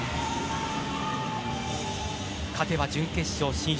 勝てば準決勝進出。